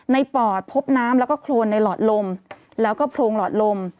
ปอดพบน้ำแล้วก็โครนในหลอดลมแล้วก็โพรงหลอดลม